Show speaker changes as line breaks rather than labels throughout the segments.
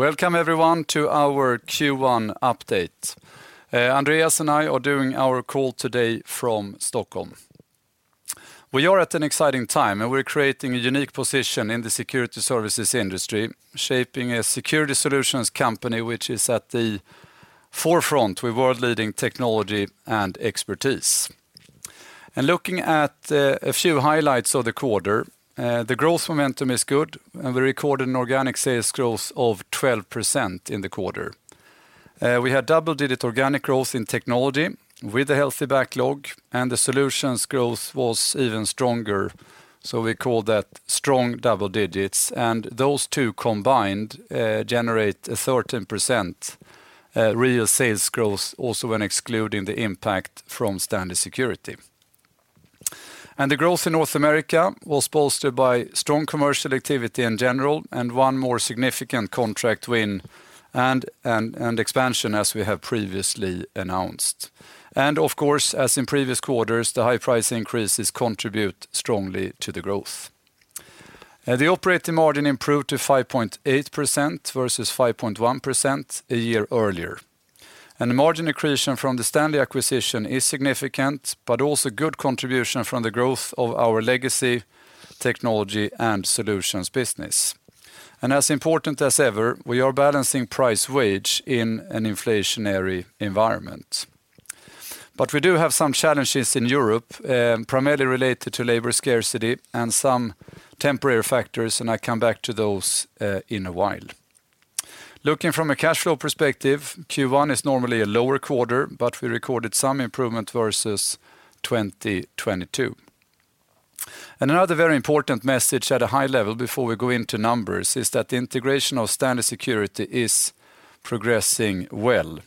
Welcome everyone to our Q1 update. Andreas and I are doing our call today from Stockholm. We are at an exciting time, and we're creating a unique position in the Security Services industry, shaping a security solutions company which is at the forefront with world-leading technology and expertise. Looking at a few highlights of the quarter, the growth momentum is good, and we recorded an organic sales growth of 12% in the quarter. We had double-digit organic growth in Technology with a healthy backlog, and the Solutions growth was even stronger. We call that strong double digits. Those two combined, generate a 13% real sales growth also when excluding the impact from STANLEY. The growth in North America was bolstered by strong commercial activity in general and one more significant contract win and expansion as we have previously announced. Of course, as in previous quarters, the high price increases contribute strongly to the growth. The operating margin improved to 5.8% versus 5.1% a year earlier. The margin accretion from STANLEY acquisition is significant, but also good contribution from the growth of our legacy technology and solutions business. As important as ever, we are balancing price wage in an inflationary environment. We do have some challenges in Europe, primarily related to labor scarcity and some temporary factors, and I come back to those in a while. Looking from a cash flow perspective, Q1 is normally a lower quarter, but we recorded some improvement versus 2022. Another very important message at a high level before we go into numbers is that the integration of STANLEY is progressing well.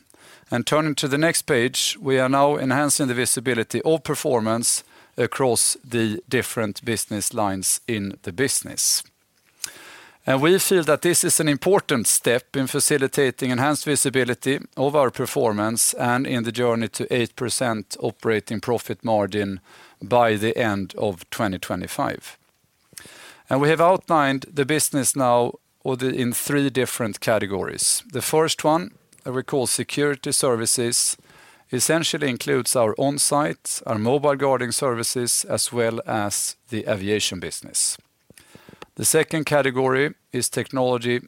Turning to the next page, we are now enhancing the visibility of performance across the different business lines in the business. We feel that this is an important step in facilitating enhanced visibility of our performance and in the journey to 8% operating profit margin by the end of 2025. We have outlined the business now in three different categories. The first one we call Security Services, essentially includes our onsite, our mobile guarding services, as well as the aviation business. The second category is Technology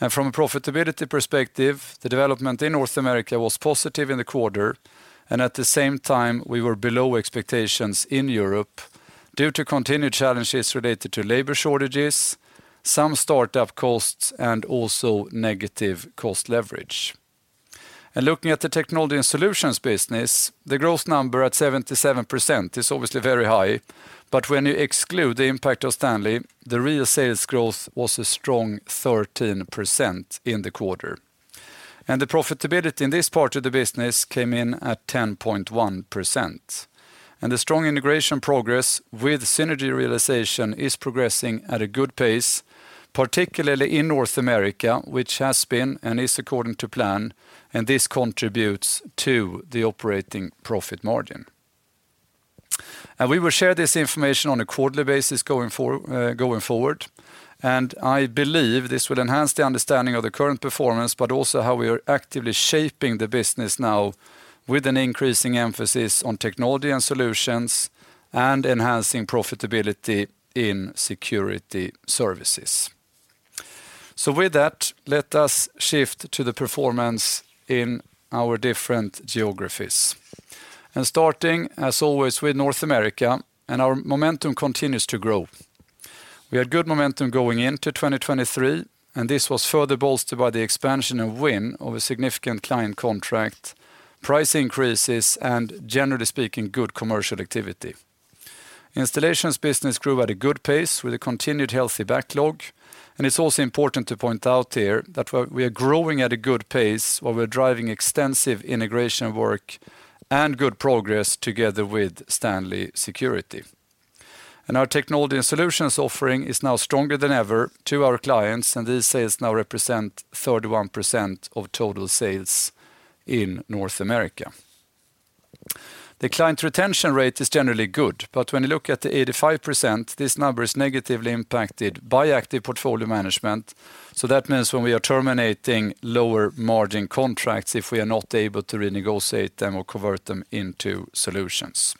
and Solutions, and the last category includes our advanced risk management business together with costs for group functions. Let me share a few comments related to these numbers and to the performance. When you're looking at the performance, we have real sales growth of Security Services where the main driver is price increases. From a profitability perspective, the development in North America was positive in the quarter, and at the same time, we were below expectations in Europe due to continued challenges related to labor shortages, some startup costs, and also negative cost leverage. Looking at the Technology and Solutions business, the growth number at 77% is obviously very high. When you exclude the impact of Stanley, the real sales growth was a strong 13% in the quarter. The profitability in this part of the business came in at 10.1%. The strong integration progress with synergy realization is progressing at a good pace, particularly in North America, which has been and is according to plan, and this contributes to the operating profit margin. We will share this information on a quarterly basis going forward. I believe this will enhance the understanding of the current performance, but also how we are actively shaping the business now with an increasing emphasis on technology and solutions and enhancing profitability in Security Services. With that, let us shift to the performance in our different geographies. Starting, as always, with North America, and our momentum continues to grow. We had good momentum going into 2023, and this was further bolstered by the expansion and win of a significant client contract, price increases, and generally speaking, good commercial activity. Installations business grew at a good pace with a continued healthy backlog. It's also important to point out here that we are growing at a good pace while we're driving extensive integration work and good progress together with STANLEY. Our technology and solutions offering is now stronger than ever to our clients, and these sales now represent 31% of total sales in North America. The client retention rate is generally good, but when you look at the 85%, this number is negatively impacted by active portfolio management. That means when we are terminating lower margin contracts if we are not able to renegotiate them or convert them into solutions.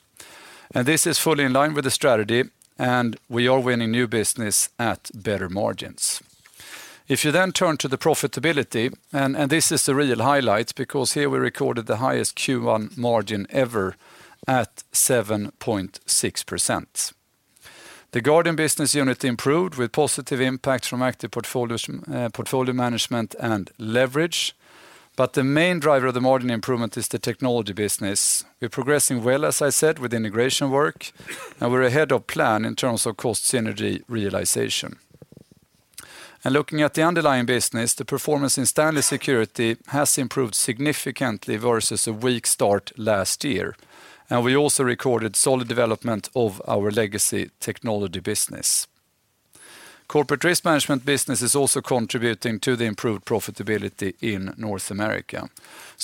This is fully in line with the strategy, and we are winning new business at better margins. This is the real highlight because here we recorded the highest Q1 margin ever at 7.6%. The Guarding business unit improved with positive impact from active portfolio management and leverage. The main driver of the margin improvement is the technology business. We're progressing well, as I said, with integration work, and we're ahead of plan in terms of cost synergy realization. Looking at the underlying business, the performance in STANLEY has improved significantly versus a weak start last year. We also recorded solid development of our legacy technology business. Corporate Risk Management business is also contributing to the improved profitability in North America.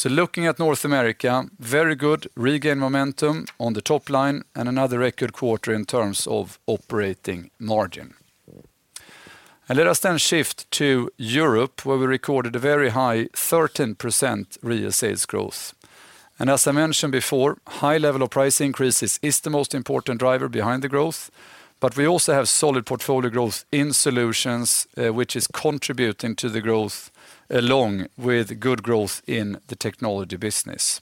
Looking at North America, very good regain momentum on the top line, and another record quarter in terms of operating margin. Let us then shift to Europe where we recorded a very high 13% real sales growth. As I mentioned before, high level of price increases is the most important driver behind the growth, but we also have solid portfolio growth in solutions, which is contributing to the growth along with good growth in the technology business.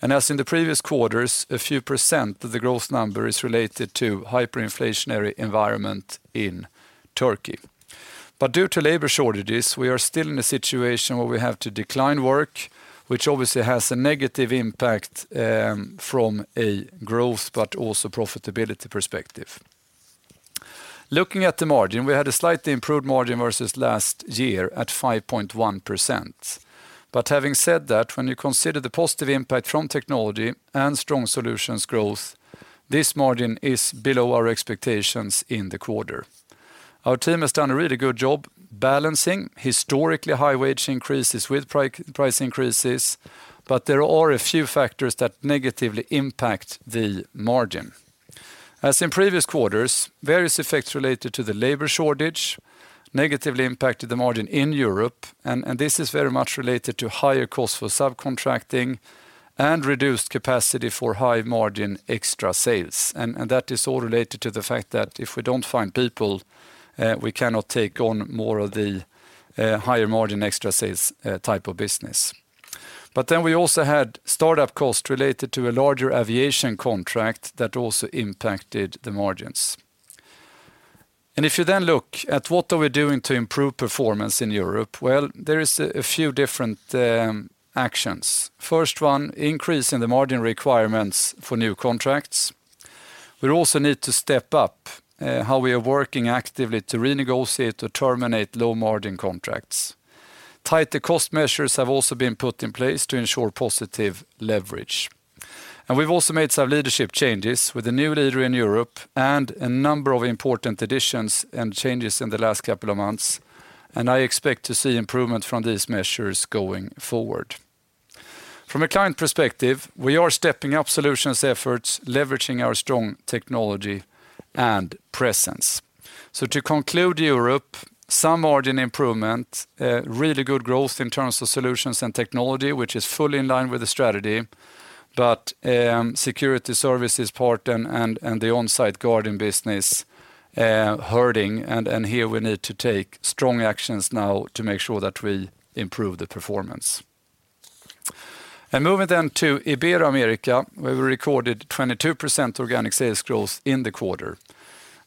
As in the previous quarters, a few % of the growth number is related to hyperinflationary environment in Turkey. Due to labor shortages, we are still in a situation where we have to decline work, which obviously has a negative impact from a growth but also profitability perspective. Looking at the margin, we had a slightly improved margin versus last year at 5.1%. Having said that, when you consider the positive impact from Technology and strong Solutions growth, this margin is below our expectations in the quarter. Our team has done a really good job balancing historically high wage increases with price increases. There are a few factors that negatively impact the margin. As in previous quarters, various effects related to the labor shortage negatively impacted the margin in Europe, and this is very much related to higher costs for subcontracting and reduced capacity for high margin extra sales. That is all related to the fact that if we don't find people, we cannot take on more of the higher margin extra sales type of business. We also had startup costs related to a larger aviation contract that also impacted the margins. If you then look at what are we doing to improve performance in Europe, well, there is a few different actions. First one, increase in the margin requirements for new contracts. We also need to step up how we are working actively to renegotiate or terminate low margin contracts. Tighter cost measures have also been put in place to ensure positive leverage. We've also made some leadership changes with a new leader in Europe and a number of important additions and changes in the last couple of months, and I expect to see improvement from these measures going forward. From a client perspective, we are stepping up solutions efforts, leveraging our strong technology and presence. To conclude Europe, some margin improvement, really good growth in terms of Solutions and Technology, which is fully in line with the strategy. Security Services part and the onsite guarding business hurting, and here we need to take strong actions now to make sure that we improve the performance. Moving then to Ibero-America, where we recorded 22% organic sales growth in the quarter.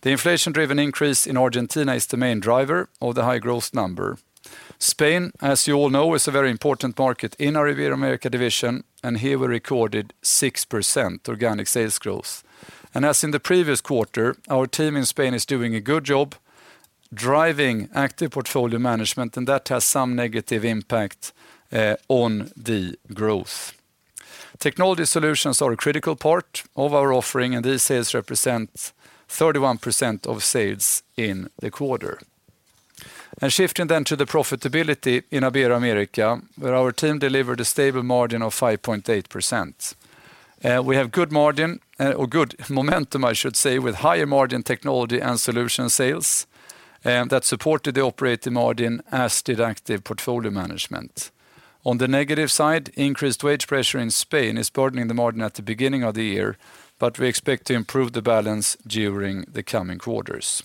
The inflation-driven increase in Argentina is the main driver of the high growth number. Spain, as you all know, is a very important market in our Ibero-America division, and here we recorded 6% organic sales growth. As in the previous quarter, our team in Spain is doing a good job driving active portfolio management, and that has some negative impact on the growth. Technology and solutions are a critical part of our offering, and these sales represent 31% of sales in the quarter. Shifting then to the profitability in Ibero-America, where our team delivered a stable margin of 5.8%. We have good margin, or good momentum I should say, with higher margin technology and solution sales that supported the operating margin as did active portfolio management. On the negative side, increased wage pressure in Spain is burdening the margin at the beginning of the year, but we expect to improve the balance during the coming quarters.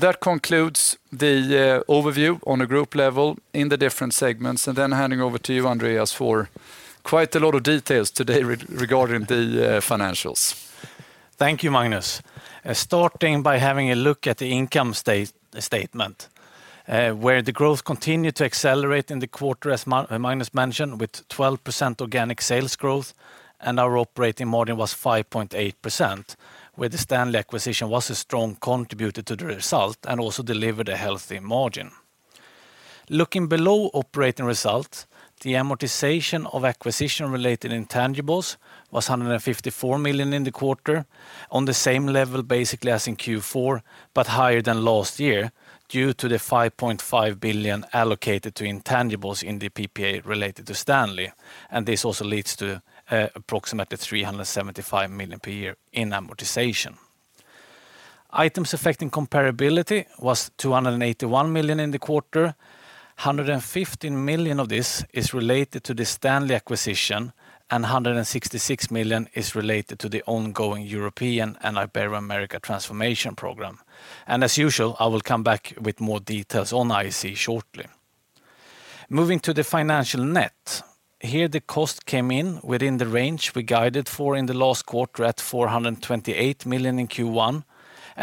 That concludes the overview on a group level in the different segments, and then handing over to you, Andreas, for quite a lot of details today regarding the financials.
Thank you, Magnus. Starting by having a look at the income statement, where the growth continued to accelerate in the quarter, as Magnus mentioned, with 12% organic sales growth, and our operating margin was 5.8%, where the STANLEY acquisition was a strong contributor to the result and also delivered a healthy margin. Looking below operating results, the amortization of acquisition-related intangibles was 154 million in the quarter on the same level basically as in Q4, but higher than last year due to the 5.5 billion allocated to intangibles in the PPA related to STANLEY. This also leads to approximately 375 million per year in amortization. Items Affecting Comparability was 281 million in the quarter. 115 million of this is related to the STANLEY acquisition. 166 million is related to the ongoing Europe and Ibero-America transformation program. As usual, I will come back with more details on IAC shortly. Moving to the financial net. Here, the cost came in within the range we guided for in the last quarter at 428 million in Q1.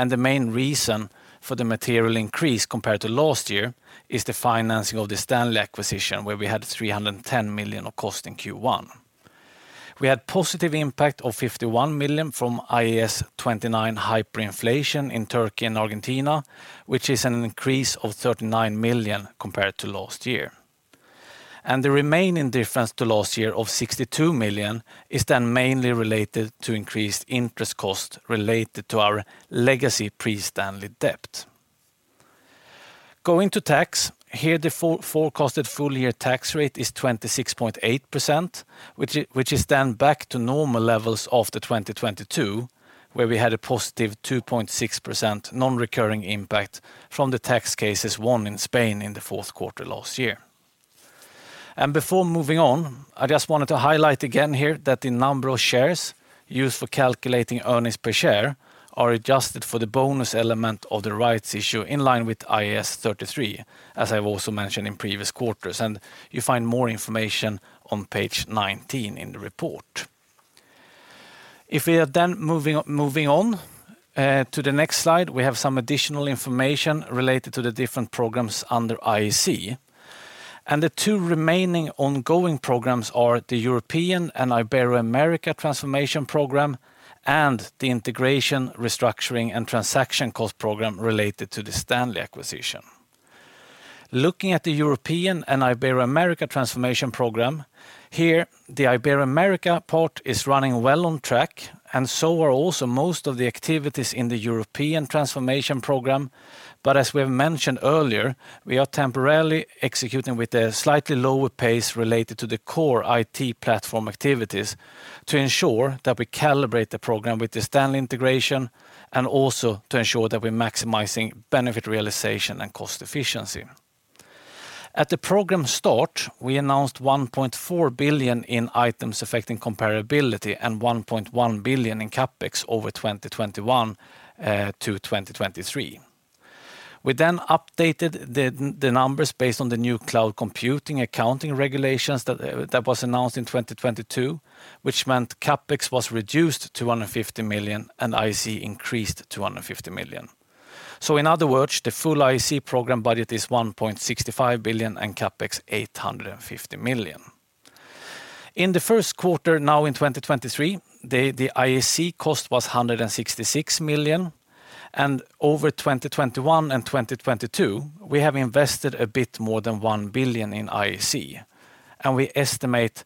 The main reason for the material increase compared to last year is the financing of STANLEY acquisition, where we had 310 million of cost in Q1. We had positive impact of 51 million from IAS 29 hyperinflation in Turkey and Argentina, which is an increase of 39 million compared to last year. The remaining difference to last year of 62 million is then mainly related to increased interest costs related to our legacy pre-STANLEY debt. Going to tax, here the forecasted full year tax rate is 26.8%, which is then back to normal levels after 2022, where we had a positive 2.6% non-recurring impact from the tax cases won in Spain in the Q4 last year. Before moving on, I just wanted to highlight again here that the number of shares used for calculating earnings per share are adjusted for the bonus element of the rights issue in line with IAS 33, as I've also mentioned in previous quarters. You find more information on page 19 in the report. If we are moving on to the next slide, we have some additional information related to the different programs under IAC. The two remaining ongoing programs are the Europe and Ibero-America Transformation Program and the Integration, Restructuring, and Transaction Cost Program related to STANLEY acquisition. Looking at the Europe and Ibero-America Transformation Program, here, the Ibero-America part is running well on track, and so are also most of the activities in the Europe transformation program. As we have mentioned earlier, we are temporarily executing with a slightly lower pace related to the core IT platform activities to ensure that we calibrate the program with the standard integration and also to ensure that we're maximizing benefit realization and cost efficiency. At the program start, we announced 1.4 billion in items affecting comparability and 1.1 billion in CapEx over 2021-2023. We then updated the numbers based on the new cloud computing accounting regulations that was announced in 2022, which meant CapEx was reduced to 250 million and IAC increased to 250 million. In other words, the full IAC program budget is 1.65 billion and CapEx 850 million. In the Q1 now in 2023, the IAC cost was 166 million. Over 2021 and 2022, we have invested a bit more than 1 billion in IAC, and we estimate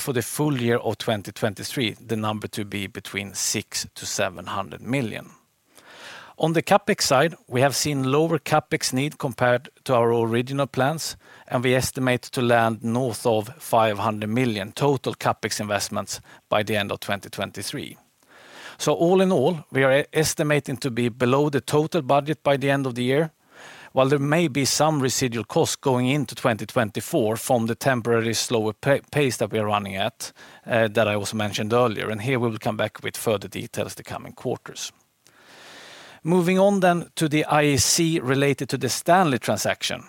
for the full year of 2023, the number to be between 600 million-700 million. On the CapEx side, we have seen lower CapEx need compared to our original plans, and we estimate to land north of 500 million total CapEx investments by the end of 2023. All in all, we are estimating to be below the total budget by the end of the year. While there may be some residual costs going into 2024 from the temporary slower pace that we are running at, that I also mentioned earlier, and here we will come back with further details the coming quarters. Moving on to the IAC related to STANLEY transaction.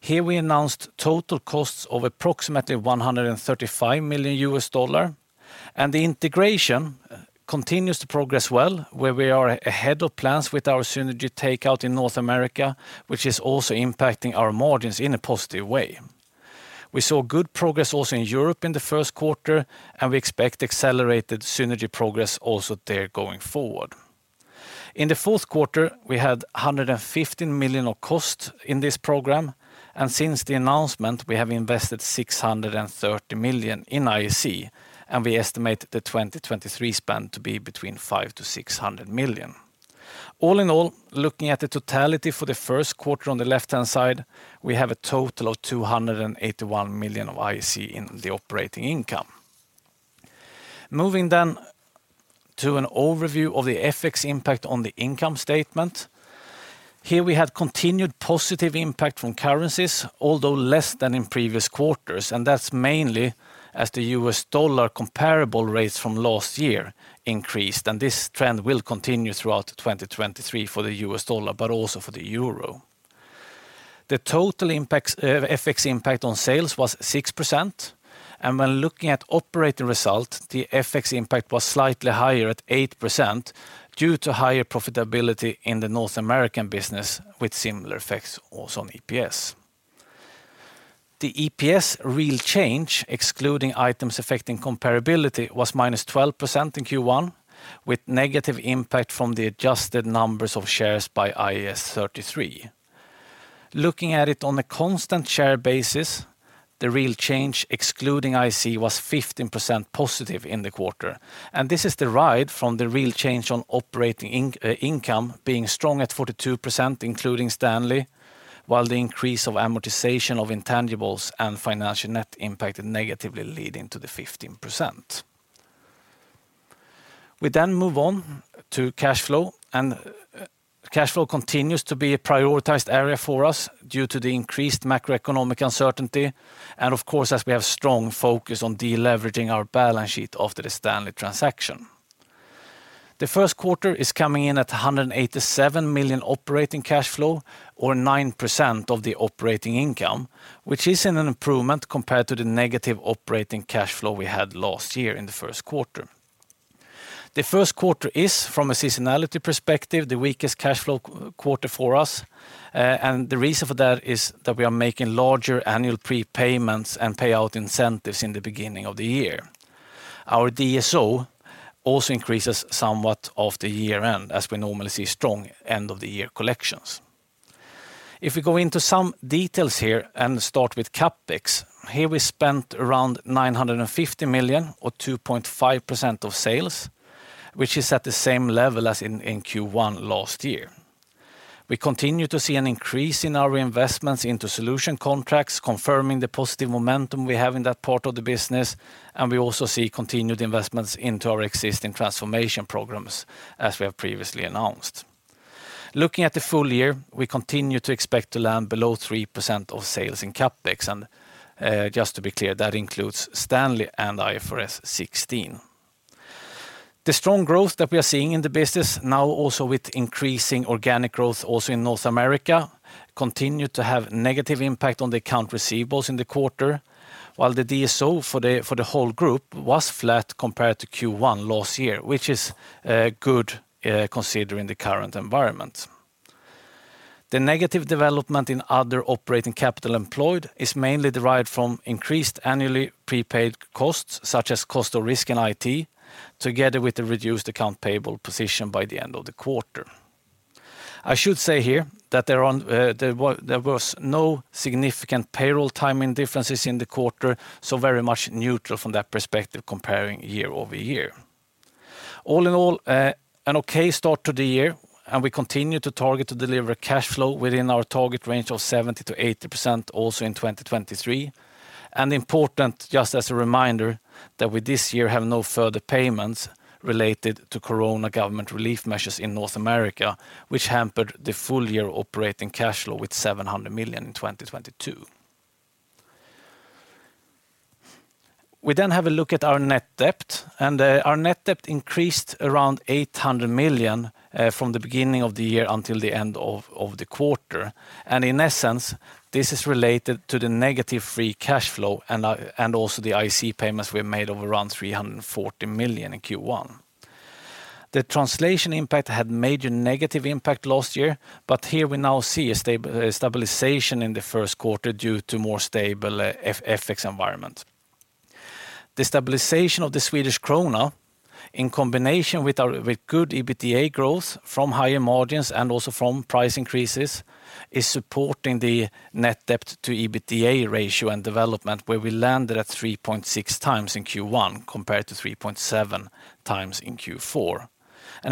Here we announced total costs of approximately $135 million, and the integration continues to progress well, where we are ahead of plans with our synergy takeout in North America, which is also impacting our margins in a positive way. We saw good progress also in Europe in the Q1. We expect accelerated synergy progress also there going forward. In the Q4, we had 150 million of cost in this program. Since the announcement, we have invested 630 million in IAC. We estimate the 2023 spend to be between 500 million-600 million. All in all, looking at the totality for the Q1 on the left-hand side, we have a total of 281 million of IAC in the operating income. Moving to an overview of the FX impact on the income statement. Here we have continued positive impact from currencies, although less than in previous quarters. That's mainly as the US dollar comparable rates from last year increased. This trend will continue throughout 2023 for the US dollar, but also for the euro. The total impacts, FX impact on sales was 6%. When looking at operating results, the FX impact was slightly higher at 8% due to higher profitability in the North American business with similar effects also on EPS. The EPS real change, excluding items affecting comparability, was -12% in Q1, with negative impact from the adjusted numbers of shares by IAS 33. Looking at it on a constant share basis, the real change, excluding IAC, was 15% positive in the quarter. This is derived from the real change on operating income being strong at 42%, including Stanley, while the increase of amortization of intangibles and financial net impacted negatively leading to the 15%. We then move on to cash flow. Cash flow continues to be a prioritized area for us due to the increased macroeconomic uncertainty, and of course, as we have strong focus on deleveraging our balance sheet after the Stanley transaction. The Q1 is coming in at 187 million operating cash flow or 9% of the operating income, which is an improvement compared to the negative operating cash flow we had last year in the Q1. The Q1 is from a seasonality perspective, the weakest cash flow quarter for us. The reason for that is that we are making larger annual prepayments and payout incentives in the beginning of the year. Our DSO also increases somewhat of the year end as we normally see strong end of the year collections. If we go into some details here and start with CapEx, here we spent around 950 million or 2.5% of sales, which is at the same level as in Q1 last year. We continue to see an increase in our investments into solution contracts, confirming the positive momentum we have in that part of the business, and we also see continued investments into our existing transformation programs as we have previously announced. Looking at the full year, we continue to expect to land below 3% of sales in CapEx. Just to be clear, that includes Stanley and IFRS 16. The strong growth that we are seeing in the business now also with increasing organic growth also in North America continue to have negative impact on the account receivables in the quarter. While the DSO for the, for the whole group was flat compared to Q1 last year, which is good, considering the current environment. The negative development in other operating capital employed is mainly derived from increased annually prepaid costs such as cost of risk in IT, together with the reduced account payable position by the end of the quarter. I should say here that there was no significant payroll timing differences in the quarter, so very much neutral from that perspective comparing year-over-year. All in all, an okay start to the year, and we continue to target to deliver cash flow within our target range of 70%-80% also in 2023. Important, just as a reminder that we this year have no further payments related to corona government relief measures in North America, which hampered the full year operating cash flow with 700 million in 2022. We have a look at our net debt, and our net debt increased around 800 million from the beginning of the year until the end of the quarter. In essence, this is related to the negative free cash flow and also the IAC payments we have made of around 340 million in Q1. The translation impact had major negative impact last year. Here we now see a stabilization in the Q1 due to more stable FX environment. The stabilization of the Swedish krona in combination with good EBITDA growth from higher margins and also from price increases, is supporting the net debt to EBITDA ratio and development where we landed at 3.6 times in Q1 compared to 3.7 times in Q4.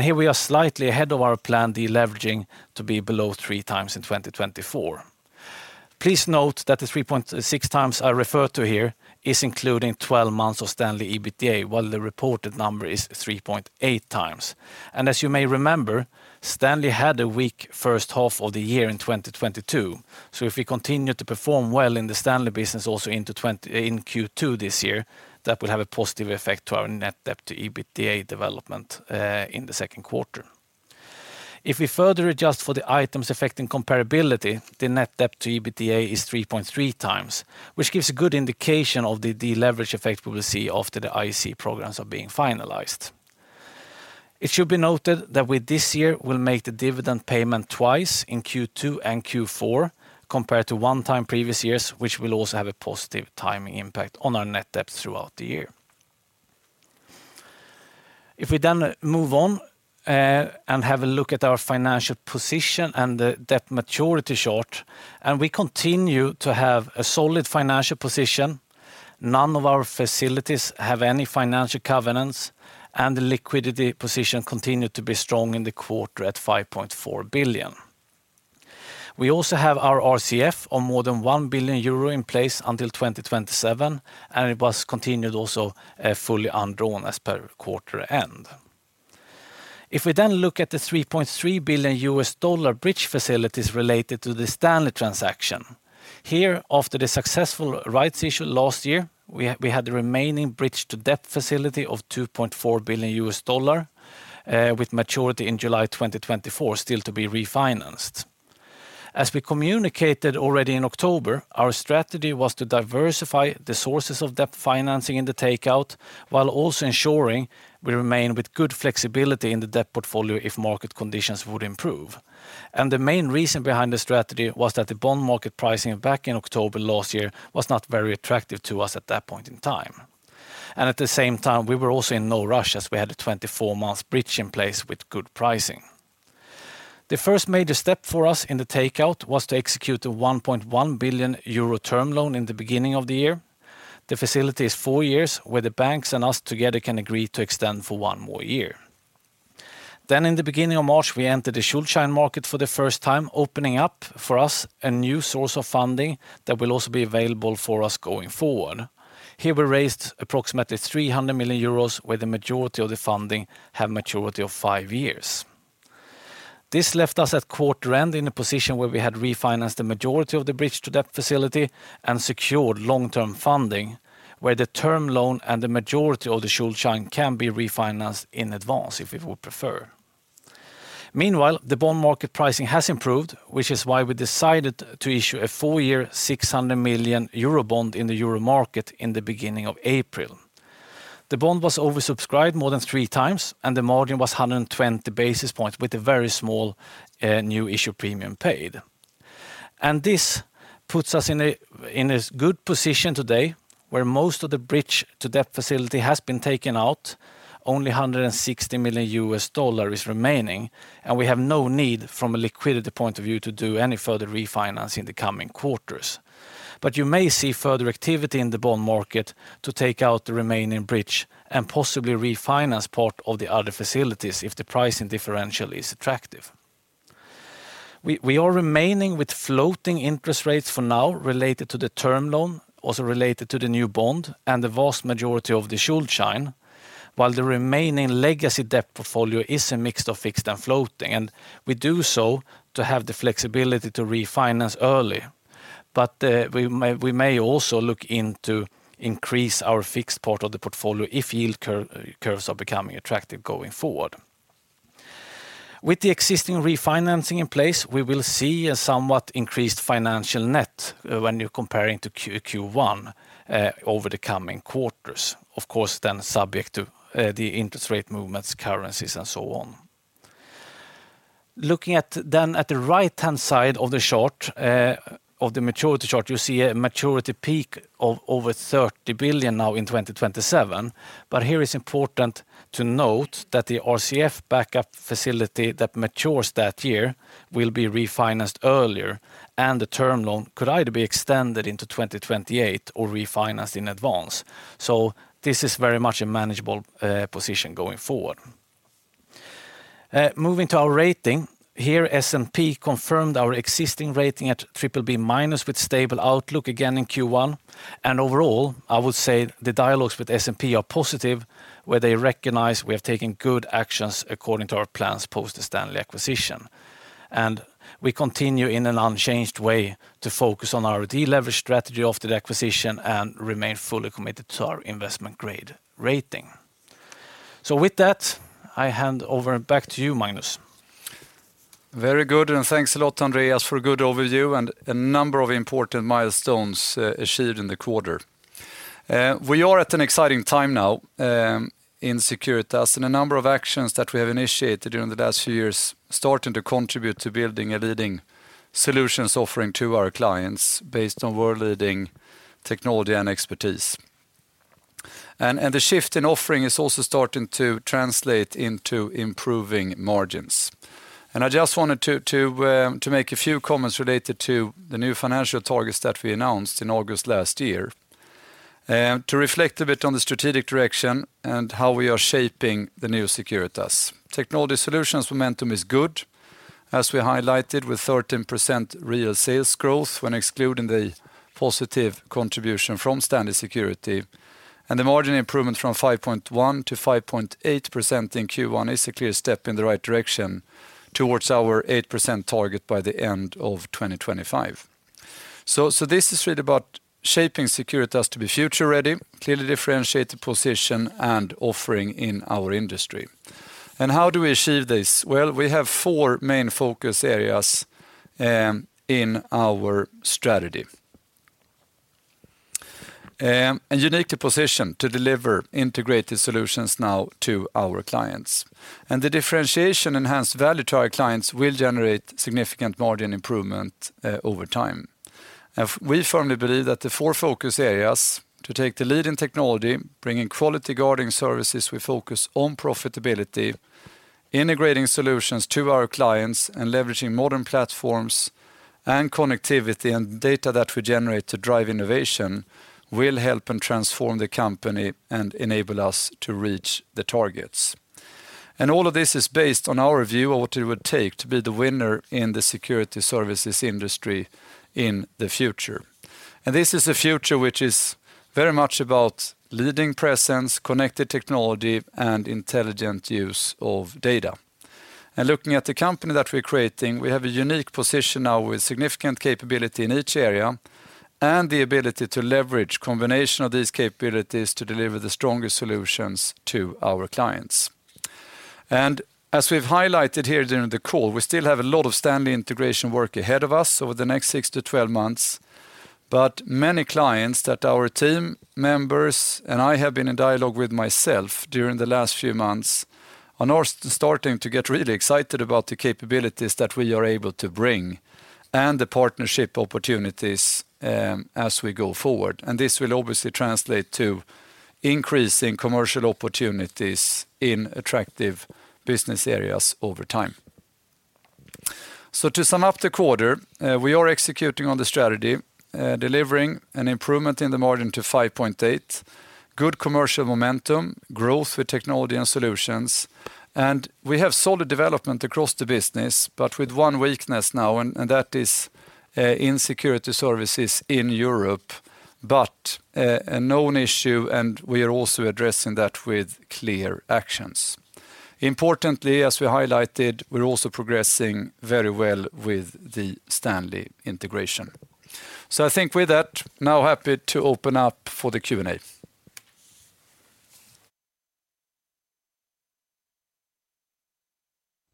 Here we are slightly ahead of our planned deleveraging to be below 3 times in 2024. Please note that the 3.6 times I refer to here is including 12 months of Stanley EBITDA, while the reported number is 3.8 times. As you may remember, Stanley had a weak H1 of the year in 2022. If we continue to perform well in the STANLEY business also in Q2 this year, that will have a positive effect to our net debt to EBITDA development in the Q2. If we further adjust for the items affecting comparability, the net debt to EBITDA is 3.3 times, which gives a good indication of the deleverage effect we will see after the IC programs are being finalized. It should be noted that with this year, we'll make the dividend payment twice in Q2 and Q4 compared to one time previous years, which will also have a positive timing impact on our net debt throughout the year. We then move on and have a look at our financial position and the debt maturity chart. We continue to have a solid financial position. None of our facilities have any financial covenants and the liquidity position continued to be strong in the quarter at 5.4 billion. We also have our RCF of more than 1 billion euro in place until 2027, and it was continued also fully undrawn as per quarter end. We then look at the $3.3 billion bridge facilities related to the Stanley transaction, here after the successful rights issue last year, we had the remaining bridge to debt facility of $2.4 billion with maturity in July 2024 still to be refinanced. As we communicated already in October, our strategy was to diversify the sources of debt financing in the takeout, while also ensuring we remain with good flexibility in the debt portfolio if market conditions would improve. The main reason behind the strategy was that the bond market pricing back in October last year was not very attractive to us at that point in time. At the same time, we were also in no rush as we had a 24-month bridge in place with good pricing. The first major step for us in the takeout was to execute a 1.1 billion euro term loan in the beginning of the year. The facility is four years, where the banks and us together can agree to extend for one more year. In the beginning of March, we entered the Schuldschein market for the first time, opening up for us a new source of funding that will also be available for us going forward. Here we raised approximately 300 million euros, where the majority of the funding have maturity of five years. This left us at quarter end in a position where we had refinanced the majority of the bridge to debt facility and secured long-term funding, where the term loan and the majority of the Schuldschein can be refinanced in advance if we would prefer. Meanwhile, the bond market pricing has improved, which is why we decided to issue a four-year 600 million euro bond in the euro market in the beginning of April. The bond was oversubscribed more than three times, and the margin was 120 basis points with a very small new issue premium paid. This puts us in a good position today where most of the bridge to debt facility has been taken out. Only $160 million is remaining, and we have no need from a liquidity point of view to do any further refinancing the coming quarters. You may see further activity in the bond market to take out the remaining bridge and possibly refinance part of the other facilities if the pricing differential is attractive. We are remaining with floating interest rates for now related to the term loan, also related to the new bond, and the vast majority of the Schuldschein, while the remaining legacy debt portfolio is a mix of fixed and floating. We do so to have the flexibility to refinance early. We may also look into increase our fixed part of the portfolio if yield curves are becoming attractive going forward. With the existing refinancing in place, we will see a somewhat increased financial net when you're comparing to Q1 over the coming quarters. Of course, subject to the interest rate movements, currencies, and so on. Looking at the right-hand side of the chart, of the maturity chart, you see a maturity peak of over 30 billion now in 2027. Here it's important to note that the RCF backup facility that matures that year will be refinanced earlier, and the term loan could either be extended into 2028 or refinanced in advance. This is very much a manageable position going forward. Moving to our rating. Here, S&P confirmed our existing rating at BBB- with stable outlook again in Q1. Overall, I would say the dialogues with S&P are positive, where they recognize we have taken good actions according to our plans post STANLEY acquisition. We continue in an unchanged way to focus on our deleverage strategy after the acquisition and remain fully committed to our investment grade rating. With that, I hand over back to you, Magnus.
Very good, thanks a lot, Andreas, for a good overview and a number of important milestones achieved in the quarter. We are at an exciting time now in Securitas, and a number of actions that we have initiated during the last few years starting to contribute to building a leading solutions offering to our clients based on world-leading technology and expertise. The shift in offering is also starting to translate into improving margins. I just wanted to make a few comments related to the new financial targets that we announced in August last year to reflect a bit on the strategic direction and how we are shaping the new Securitas. Technology solutions momentum is good, as we highlighted with 13% real sales growth when excluding the positive contribution from STANLEY. The margin improvement from 5.1% to 5.8% in Q1 is a clear step in the right direction towards our 8% target by the end of 2025. This is really about shaping Securitas to be future-ready, clearly differentiated position, and offering in our industry. How do we achieve this? Well, we have four main focus areas in our strategy. A unique position to deliver integrated solutions now to our clients. The differentiation enhanced value to our clients will generate significant margin improvement over time. We firmly believe that the four focus areas to take the lead in technology, bringing quality guarding services, we focus on profitability, integrating solutions to our clients, and leveraging modern platforms and connectivity and data that we generate to drive innovation will help and transform the company and enable us to reach the targets. All of this is based on our view of what it would take to be the winner in the Security Services industry in the future. This is a future which is very much about leading presence, connected technology, and intelligent use of data. Looking at the company that we're creating, we have a unique position now with significant capability in each area and the ability to leverage combination of these capabilities to deliver the strongest solutions to our clients. As we've highlighted here during the call, we still have a lot of Stanley integration work ahead of us over the next six to 12 months. Many clients that our team members and I have been in dialogue with myself during the last few months are now starting to get really excited about the capabilities that we are able to bring and the partnership opportunities as we go forward. This will obviously translate to increase in commercial opportunities in attractive business areas over time. To sum up the quarter, we are executing on the strategy, delivering an improvement in the margin to 5.8%, good commercial momentum, growth with Technology and Solutions. We have solid development across the business, but with one weakness now, and that is in security services in Europe. A known issue, and we are also addressing that with clear actions. Importantly, as we highlighted, we're also progressing very well with the STANLEY integration. I think with that, now happy to open up for the Q&A.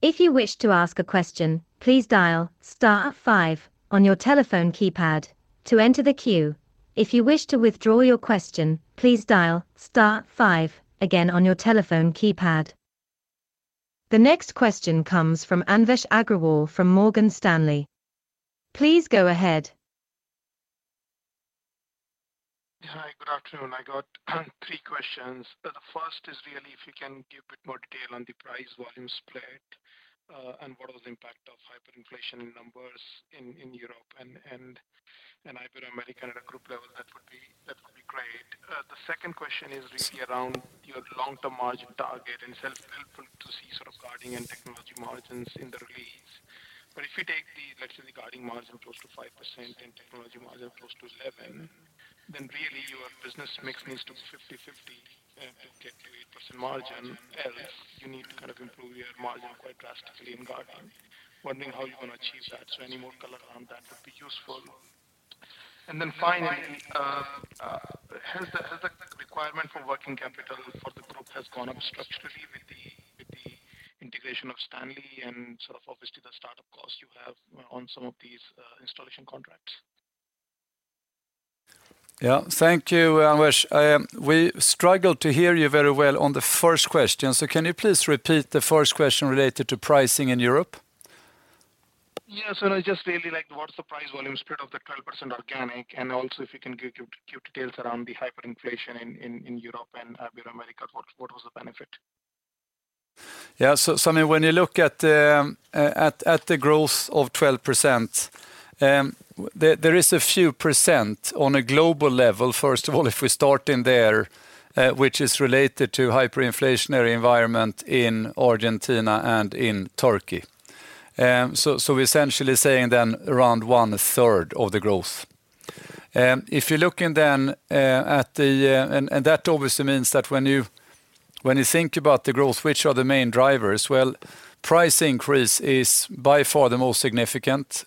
If you wish to ask a question, please dial star five on your telephone keypad to enter the queue. If you wish to withdraw your question, please dial star five again on your telephone keypad. The next question comes from Anvesh Agrawal from Morgan Stanley. Please go ahead.
Hi, good afternoon. I got three questions. The first is really if you can give a bit more detail on the price volume split, and what was the impact of hyperinflation numbers in Europe and Ibero-America at a group level that would be, that would be great. The second question is really around your long-term margin target and it's helpful to see sort of guarding and technology margins in the release. If you take the, let's say, the guarding margin close to 5% and technology margin close to 11%, really your business mix needs to be 50/50 to get to 8% margin. You need to kind of improve your margin quite drastically in guarding. Wondering how you're going to achieve that. Any more color on that would be useful. Finally, has the requirement for working capital for the group has gone up structurally with the integration of Stanley and sort of obviously the start of costs you have on some of these installation contracts?
Yeah. Thank you, Anvesh. We struggled to hear you very well on the first question, so can you please repeat the first question related to pricing in Europe?
Yes. I just really like what's the price volume spread of the 12% organic, also if you can give details around the hyperinflation in Europe and Ibero-America, what was the benefit?
I mean, when you look at the growth of 12%, there is a few percent on a global level, first of all, if we start in there, which is related to hyperinflationary environment in Argentina and in Turkey. Essentially saying then around 1/3 of the growth. If you're looking then. That obviously means that when you think about the growth, which are the main drivers, well, price increase is by far the most significant.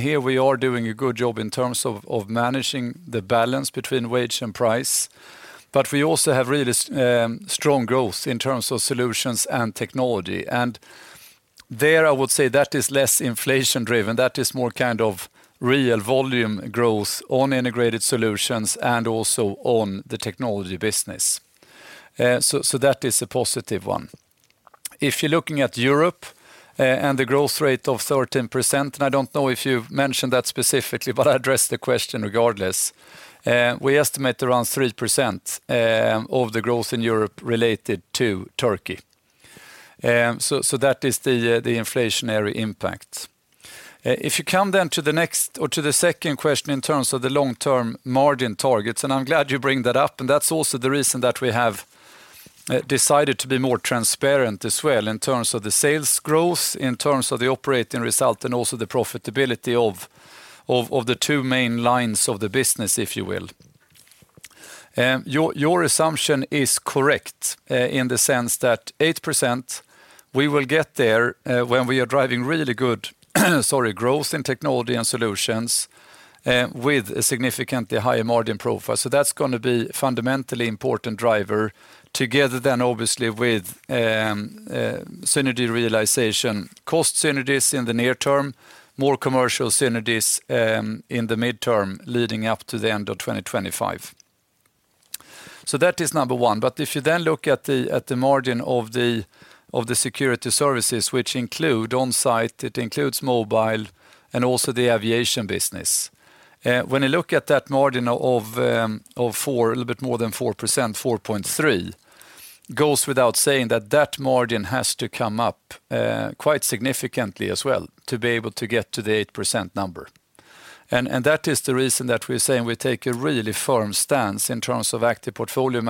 Here we are doing a good job in terms of managing the balance between wage and price. We also have really strong growth in terms of technology and solutions. There I would say that is less inflation driven. That is more kind of real volume growth on integrated solutions and also on the technology business. That is a positive one. If you're looking at Europe, and the growth rate of 13%, and I don't know if you've mentioned that specifically, but I'll address the question regardless. We estimate around 3% of the growth in Europe related to Turkey. That is the inflationary impact. If you come then to the next or to the second question in terms of the long-term margin targets, and I'm glad you bring that up, and that's also the reason that we have decided to be more transparent as well in terms of the sales growth, in terms of the operating result and also the profitability of the two main lines of the business, if you will. Your, your assumption is correct, in the sense that 8%, we will get there, when we are driving really good growth in Technology and Solutions, with a significantly higher margin profile. That's gonna be fundamentally important driver together then obviously with synergy realization, cost synergies in the near term, more commercial synergies, in the mid-term leading up to the end of 2025. That is number one. If you then look at the, at the margin of the, of the Security Services, which include onsite, it includes mobile and also the aviation business. When you look at that margin of 4%, a little bit more than 4%, 4.3%, goes without saying that that margin has to come up quite significantly as well to be able to get to the 8% number. That is the reason that we're saying we take a really firm stance in terms of active portfolio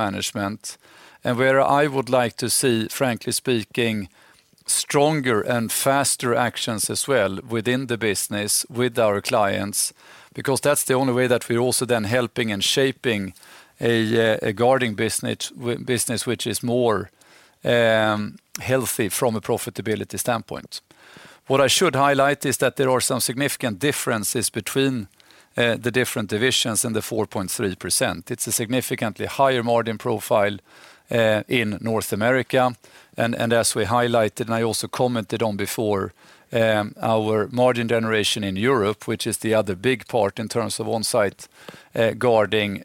management. Where I would like to see, frankly speaking, stronger and faster actions as well within the business with our clients, because that's the only way that we're also then helping and shaping a guarding business which is more healthy from a profitability standpoint. What I should highlight is that there are some significant differences between the different divisions and the 4.3%. It's a significantly higher margin profile in North America. As we highlighted, and I also commented on before, our margin generation in Europe, which is the other big part in terms of on-site guarding,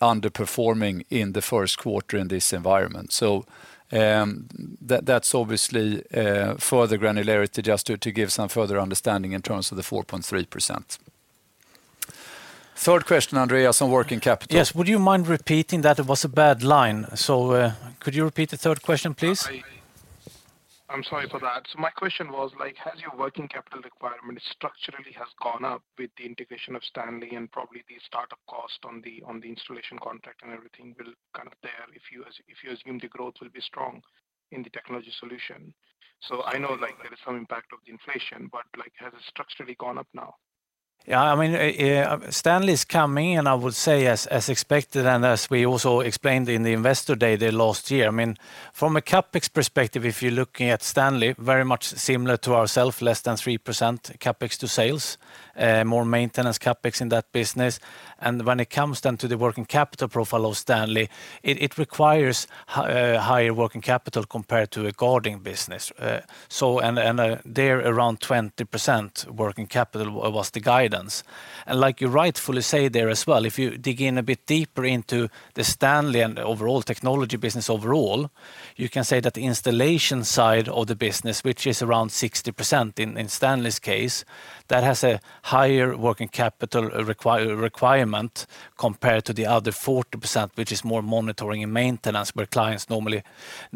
underperforming in the Q1 in this environment. That's obviously further granularity just to give some further understanding in terms of the 4.3%. Third question, Andreas, on working capital.
Yes. Would you mind repeating that? It was a bad line. Could you repeat the third question, please?
I'm sorry for that. My question was like, has your working capital requirement structurally has gone up with the integration of Stanley and probably the start of cost on the installation contract and everything build kind of there if you assume the growth will be strong in the technology solution? I know like there is some impact of the inflation, but like has it structurally gone up now?
Yeah, I mean, Stanley's coming in, I would say, as expected, and as we also explained in the investor day the last year. I mean, from a CapEx perspective, if you're looking at Stanley, very much similar to ourself, less than 3% CapEx to sales, more maintenance CapEx in that business. When it comes then to the working capital profile of Stanley, it requires higher working capital compared to a guarding business. And there around 20% working capital was the guidance. Like you rightfully say there as well, if you dig in a bit deeper into the Stanley and overall technology business overall, you can say that the installation side of the business, which is around 60% in Stanley's case, that has a higher working capital requirement compared to the other 40%, which is more monitoring and maintenance, where clients normally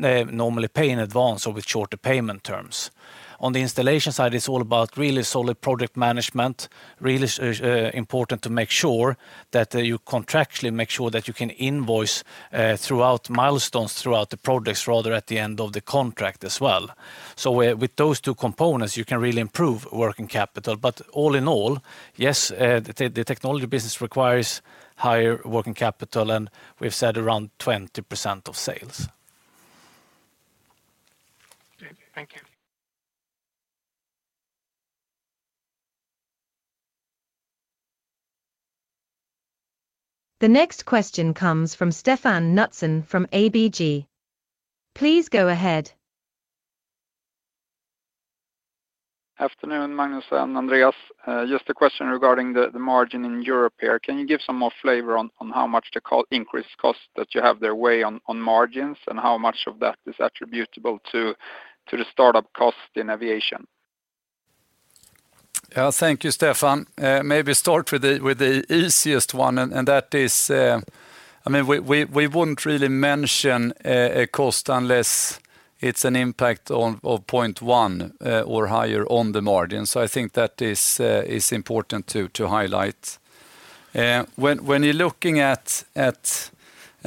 pay in advance or with shorter payment terms. On the installation side, it's all about really solid project management, really important to make sure that you contractually make sure that you can invoice throughout milestones, throughout the projects, rather at the end of the contract as well. Where with those two components, you can really improve working capital. All in all, yes, the technology business requires higher working capital, and we've said around 20% of sales.
Okay. Thank you.
The next question comes from Stefan Knutsson from ABG. Please go ahead.
Afternoon, Magnus and Andreas. Just a question regarding the margin in Europe here. Can you give some more flavor on how much the increased cost that you have there weigh on margins, and how much of that is attributable to the startup cost in aviation?
Yeah. Thank you, Stefan. Maybe start with the easiest one, and that is... I mean, we wouldn't really mention a cost unless it's an impact on, of 0.1, or higher on the margin. I think that is important to highlight. When you're looking at...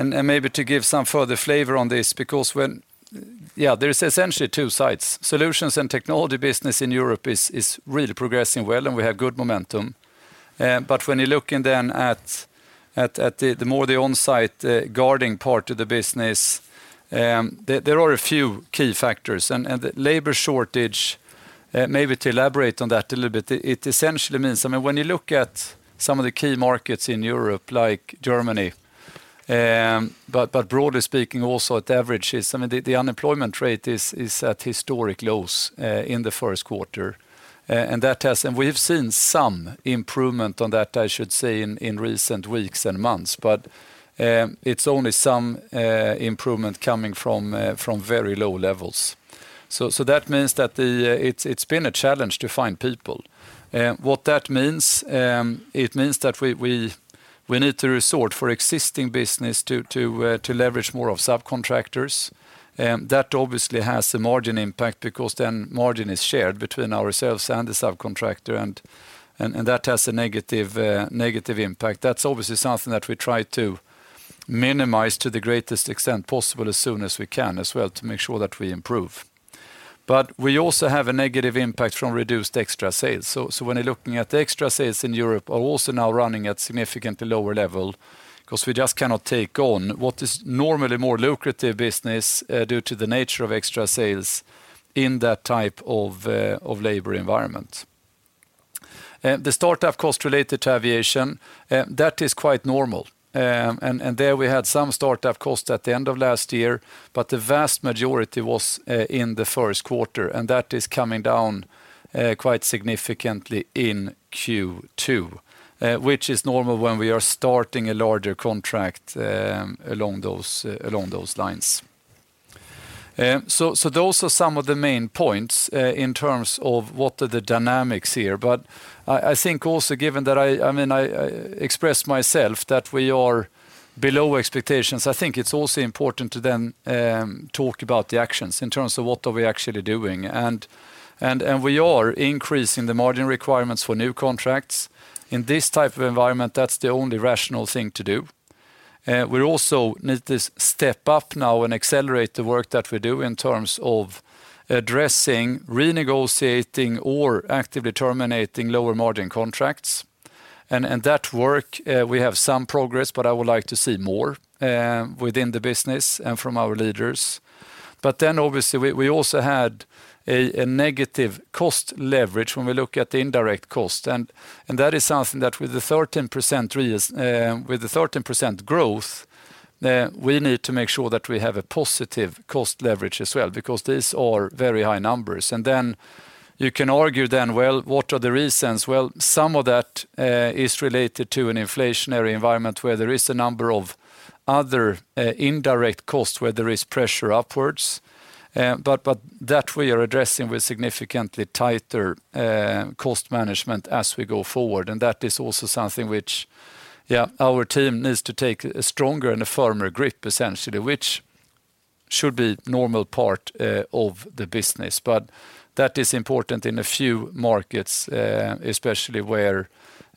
Maybe to give some further flavor on this because when Yeah, there is essentially two sides. Solutions and technology business in Europe is really progressing well, and we have good momentum. When you're looking then at the more the on-site guarding part of the business, there are a few key factors. The labor shortage, maybe to elaborate on that a little bit, it essentially means... I mean, when you look at some of the key markets in Europe, like Germany, broadly speaking also at averages, I mean, the unemployment rate is at historic lows in the Q1. We've seen some improvement on that, I should say, in recent weeks and months. It's only some improvement coming from very low levels. That means that it's been a challenge to find people. What that means, it means that we need to resort for existing business to leverage more of subcontractors. That obviously has a margin impact because then margin is shared between ourselves and the subcontractor and that has a negative negative impact. That's obviously something that we try to minimize to the greatest extent possible as soon as we can as well to make sure that we improve. We also have a negative impact from reduced extra sales. When you're looking at the extra sales in Europe are also now running at significantly lower level 'cause we just cannot take on what is normally more lucrative business, due to the nature of extra sales in that type of labor environment. The startup cost related to aviation, that is quite normal. And there we had some startup cost at the end of last year, but the vast majority was in the Q1, and that is coming down quite significantly in Q2, which is normal when we are starting a larger contract, along those lines. Those are some of the main points in terms of what are the dynamics here. I think also given that I mean, I express myself that we are below expectations. I think it's also important to talk about the actions in terms of what are we actually doing. We are increasing the margin requirements for new contracts. In this type of environment, that's the only rational thing to do. We also need to step up now and accelerate the work that we do in terms of addressing, renegotiating, or actively terminating lower margin contracts. That work, we have some progress, but I would like to see more within the business and from our leaders. Obviously we also had a negative cost leverage when we look at the indirect cost. That is something that with the 13% growth, we need to make sure that we have a positive cost leverage as well because these are very high numbers. You can argue then, well, what are the reasons? Well, some of that is related to an inflationary environment where there is a number of other indirect costs where there is pressure upwards. That we are addressing with significantly tighter cost management as we go forward, and that is also something which, yeah, our team needs to take a stronger and a firmer grip, essentially, which should be normal part of the business. That is important in a few markets, especially where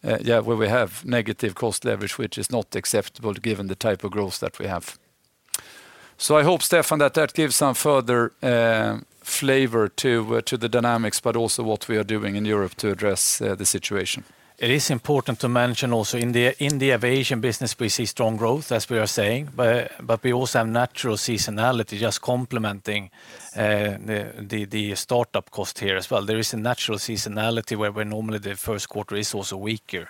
we have negative cost leverage, which is not acceptable given the type of growth that we have. I hope, Stefan, that that gives some further flavor to the dynamics, but also what we are doing in Europe to address the situation.
It is important to mention also in the aviation business we see strong growth as we are saying. We also have natural seasonality just complementing, the startup cost here as well. There is a natural seasonality where we normally the Q1 is also weaker from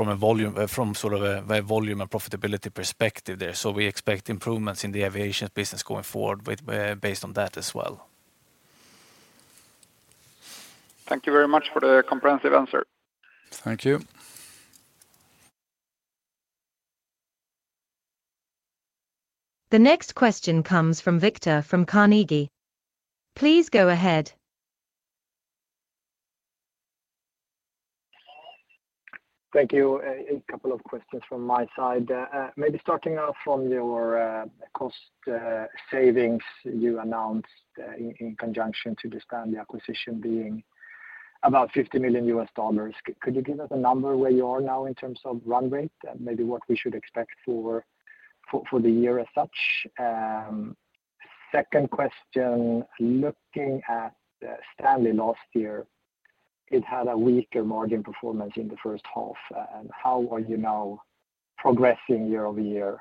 a volume from sort of a volume and profitability perspective there. We expect improvements in the aviation business going forward based on that as well.
Thank you very much for the comprehensive answer.
Thank you.
The next question comes from Victor from Carnegie. Please go ahead.
Thank you. A couple of questions from my side. Maybe starting off from your cost savings you announced in conjunction to the Stanley acquisition being about $50 million. Could you give us a number where you are now in terms of run rate? Maybe what we should expect for the year as such. Second question, looking at Stanley last year, it had a weaker margin performance in the H1. How are you now progressing year-over-year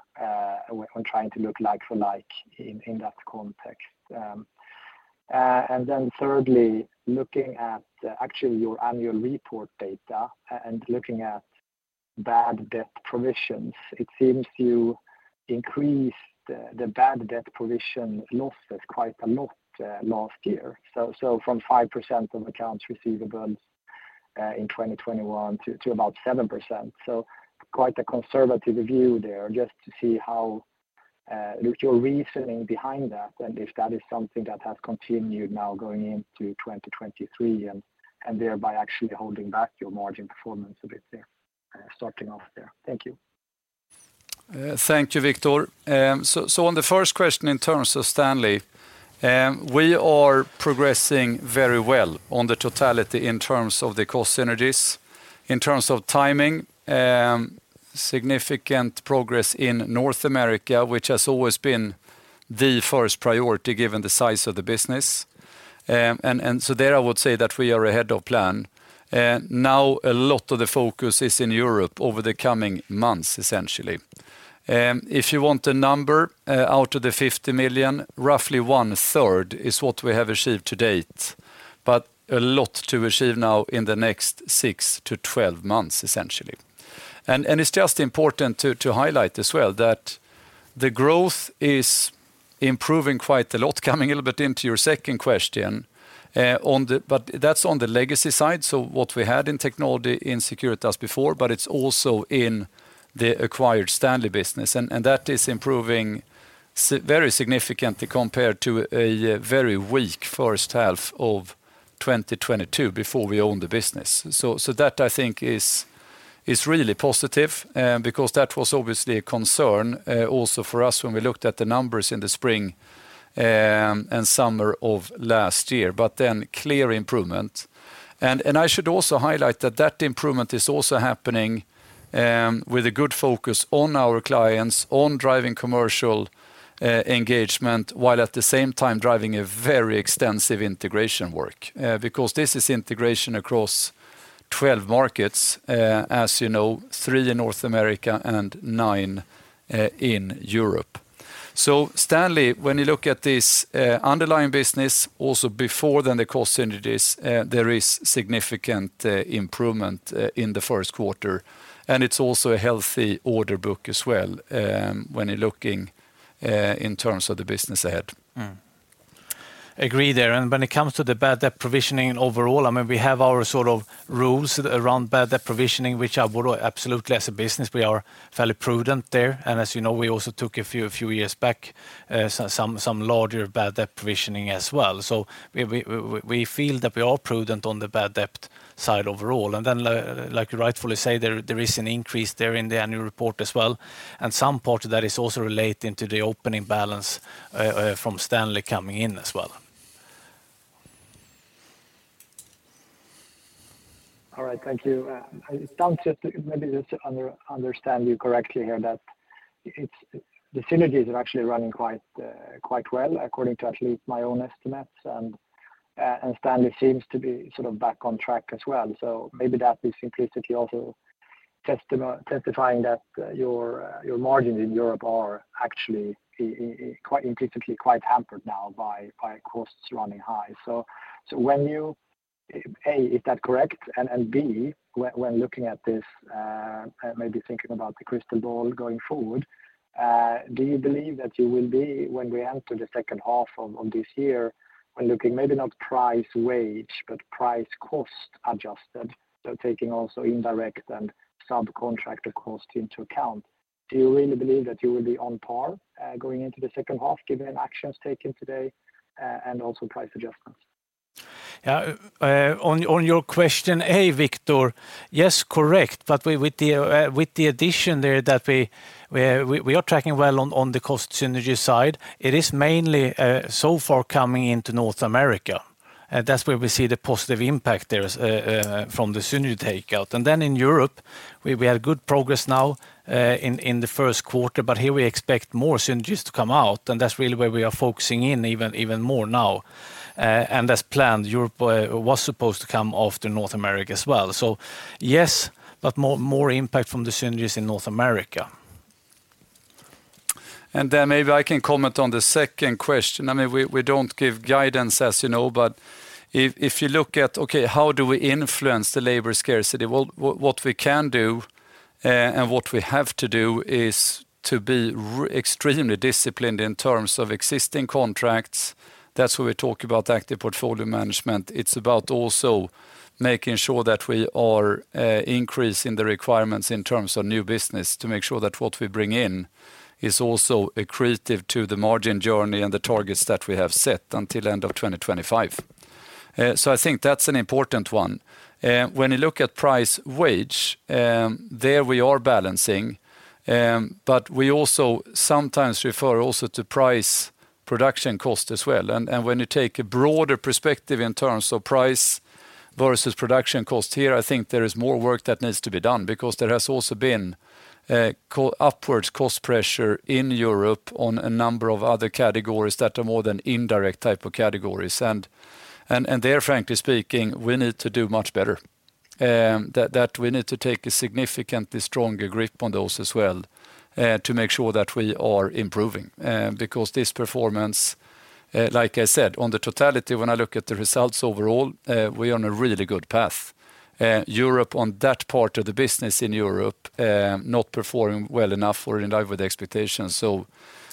when trying to look like for like in that context? Thirdly, looking at actually your annual report data and looking at bad debt provisions, it seems you increased the bad debt provision losses quite a lot last year. From 5% of accounts receivables in 2021 to about 7%. Quite a conservative view there. Just to see how your reasoning behind that and if that is something that has continued now going into 2023 and thereby actually holding back your margin performance a bit there. Starting off there. Thank you.
Thank you, Victor. On the first question in terms of Stanley, we are progressing very well on the totality in terms of the cost synergies. In terms of timing, significant progress in North America, which has always been the first priority given the size of the business. There I would say that we are ahead of plan. Now a lot of the focus is in Europe over the coming months, essentially. If you want a number, out of the $50 million, roughly 1/3 is what we have achieved to date. A lot to achieve now in the next six to 12 months, essentially. It's just important to highlight as well that the growth is improving quite a lot, coming a little bit into your second question. That's on the legacy side. What we had in technology in Securitas before, but it's also in the acquired Stanley business. That is improving very significantly compared to a very weak H1 of 2022 before we owned the business. That I think is really positive, because that was obviously a concern also for us when we looked at the numbers in the spring and summer of last year. Clear improvement. I should also highlight that that improvement is also happening with a good focus on our clients, on driving commercial engagement, while at the same time driving a very extensive integration work. Because this is integration across 12 markets. As you know, three in North America and 9 in Europe. Stanley, when you look at this underlying business also before then the cost synergies, there is significant improvement in the Q1. It's also a healthy order book as well when you're looking in terms of the business ahead.
Agree there. When it comes to the bad debt provisioning overall, I mean, we have our sort of rules around bad debt provisioning, which are absolutely as a business, we are fairly prudent there. As you know, we also took a few, a few years back, some larger bad debt provisioning as well. So we feel that we are prudent on the bad debt side overall. Then like you rightfully say, there is an increase there in the annual report as well. Some part of that is also relating to the opening balance from Stanley coming in as well.
All right. Thank you. It sounds just maybe just understand you correctly here that the synergies are actually running quite well according to at least my own estimates. Stanley seems to be sort of back on track as well. Maybe that is implicitly also testifying that your margins in Europe are actually quite implicitly quite hampered now by costs running high. When you, A, is that correct? B, when looking at this, maybe thinking about the crystal ball going forward, do you believe that you will be when we enter the H2 of this year, when looking maybe not price wage, but price cost adjusted, so taking also indirect and subcontractor cost into account, do you really believe that you will be on par, going into the H2, given the actions taken today, and also price adjustments?
Yeah. On your question A, Victor, yes, correct. With the addition there that we are tracking well on the cost synergy side. It is mainly so far coming into North America. That's where we see the positive impact there is from the synergy takeout. In Europe, we had good progress now in the Q1. Here we expect more synergies to come out, and that's really where we are focusing in even more now. As planned, Europe was supposed to come after North America as well. Yes, more impact from the synergies in North America.
Maybe I can comment on the second question. I mean, we don't give guidance, as you know, but if you look at, okay, how do we influence the labor scarcity? Well, what we can do and what we have to do is to be extremely disciplined in terms of existing contracts. That's where we talk about active portfolio management. It's about also making sure that we are increasing the requirements in terms of new business to make sure that what we bring in is also accretive to the margin journey and the targets that we have set until end of 2025. I think that's an important one. When you look at price wage, there we are balancing, we also sometimes refer also to price production cost as well. When you take a broader perspective in terms of price versus production cost here, I think there is more work that needs to be done because there has also been co-upwards cost pressure in Europe on a number of other categories that are more than indirect type of categories. There, frankly speaking, we need to do much better. That we need to take a significantly stronger grip on those as well to make sure that we are improving. Because this performance, like I said, on the totality, when I look at the results overall, we're on a really good path. Europe on that part of the business in Europe, not performing well enough or in line with expectations.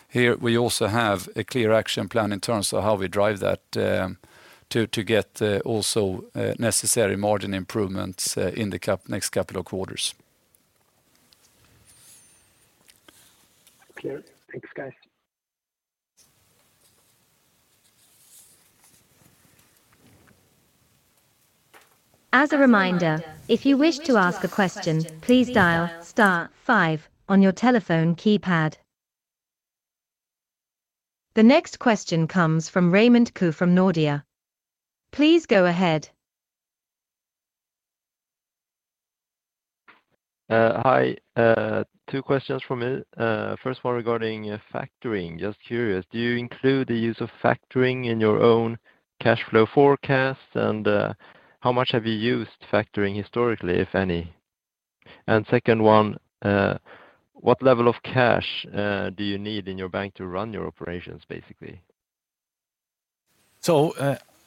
Here we also have a clear action plan in terms of how we drive that, to get also necessary margin improvements in the next couple of quarters.
Clear. Thanks, guys.
As a reminder, if you wish to ask a question, please dial star five on your telephone keypad. The next question comes from Raymond Ke from Nordea. Please go ahead.
Hi. Two questions from me. First one regarding factoring. Just curious, do you include the use of factoring in your own cash flow forecast? How much have you used factoring historically, if any? Second one, what level of cash do you need in your bank to run your operations, basically?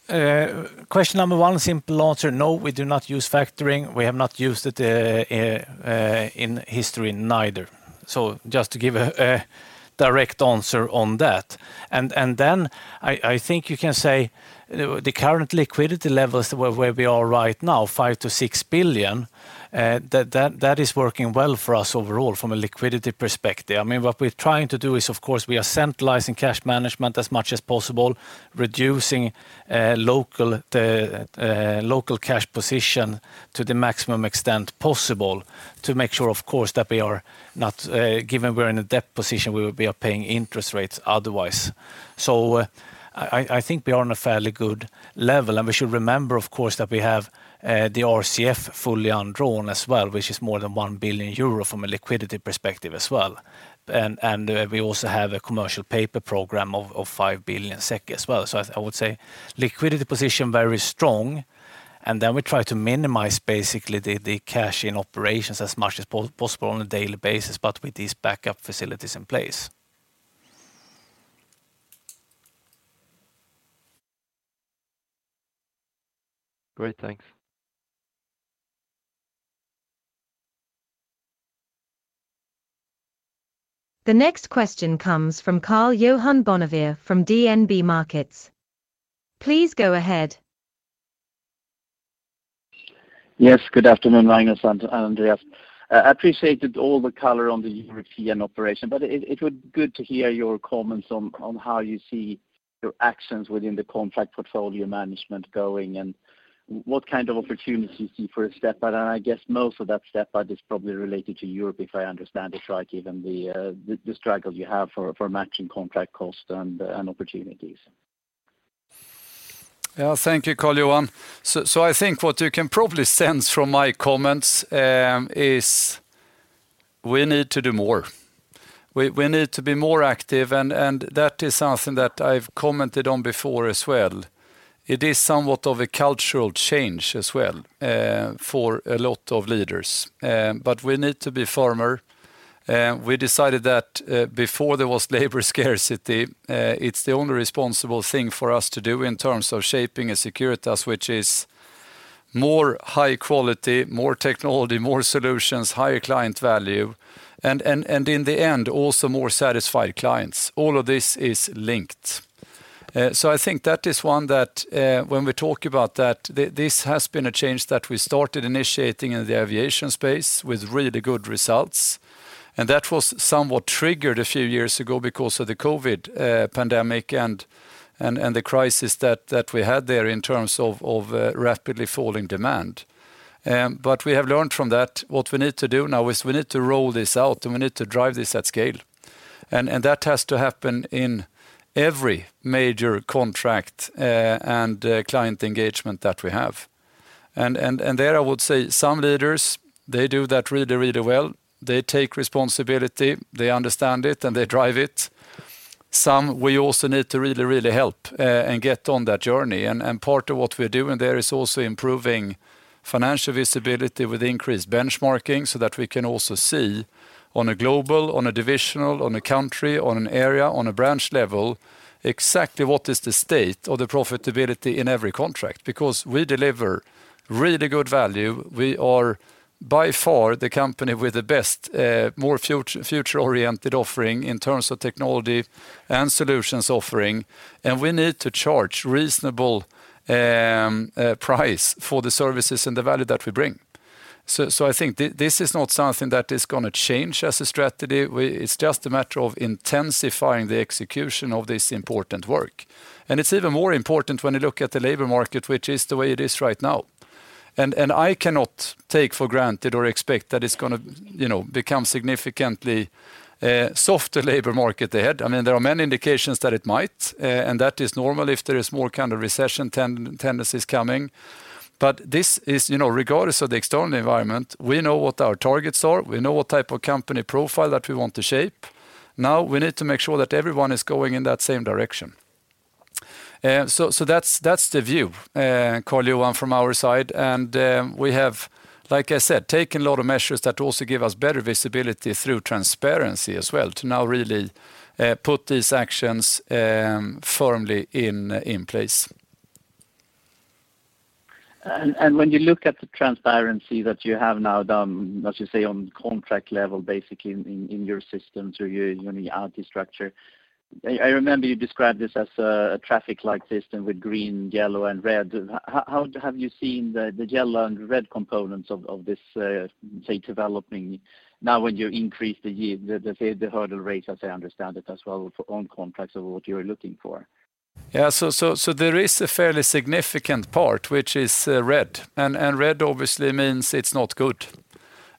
Question number one, simple answer. No, we do not use factoring. We have not used it in history neither. Just to give a direct answer on that. Then I think you can say the current liquidity levels where we are right now, 5 billion-6 billion, that is working well for us overall from a liquidity perspective. I mean, what we're trying to do is of course we are centralizing cash management as much as possible, reducing local cash position to the maximum extent possible to make sure of course that we are not given we're in a debt position where we are paying interest rates otherwise. I think we are on a fairly good level. We should remember of course, that we have the RCF fully undrawn as well, which is more than 1 billion euro from a liquidity perspective as well. We also have a commercial paper program of 5 billion SEK as well. I would say liquidity position very strong. Then we try to minimize basically the cash in operations as much as possible on a daily basis, but with these backup facilities in place.
Great. Thanks.
The next question comes from Karl-Johan Bonnevier from DNB Markets. Please go ahead.
Yes. Good afternoon, Magnus and Andreas. Appreciated all the color on the European operation, but it would good to hear your comments on how you see your actions within the contract portfolio management going and what kind of opportunities do you foresee step up? I guess most of that step up is probably related to Europe, if I understand it right, given the struggle you
every major contract and client engagement that we have. There I would say some leaders, they do that really well. They take responsibility, they understand it, and they drive it. Some we also need to really help and get on that journey. Part of what we're doing there is also improving financial visibility with increased benchmarking so that we can also see on a global, on a divisional, on a country, on an area, on a branch level exactly what is the state of the profitability in every contract. Because we deliver really good value. We are by far the company with the best, more future-oriented offering in terms of technology Yeah. There is a fairly significant part which is red, and red obviously means it's not good.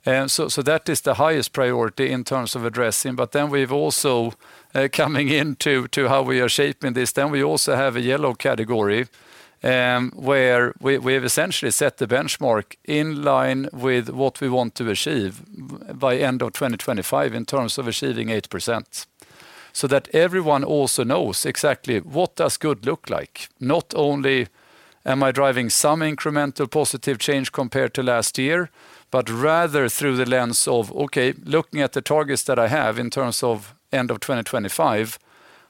That is the highest priority in terms of addressing. We've also, coming into how we are shaping this, then we also have a yellow category, where we've essentially set the benchmark in line with what we want to achieve by end of 2025 in terms of achieving 8%, that everyone also knows exactly what does good look like. Not only am I driving some incremental positive change compared to last year, but rather through the lens of, okay, looking at the targets that I have in terms of end of 2025,